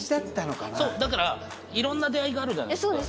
そうだから色んな出会いがあるじゃないですか。